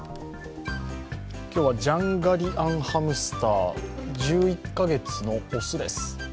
今日はジャンガリアンハムスター、１１か月の雄です。